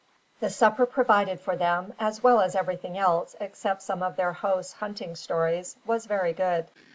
The supper provided for them, as well as everything else, except some of their host's hunting stories, was very good.